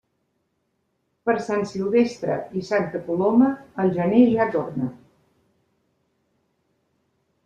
Per Sant Silvestre i Santa Coloma, el gener ja torna.